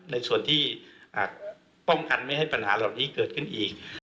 ในส่วนที่ป้องกันไม่ให้ปัญหาเหล่านี้เกิดขึ้นอีก